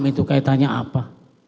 itu kaitannya apa